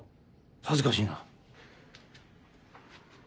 恥ずかしいな